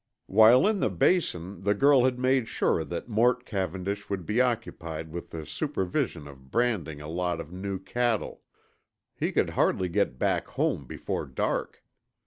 While in the Basin the girl had made sure that Mort Cavendish would be occupied with the supervision of branding a lot of new cattle. He could hardly get back home before dark.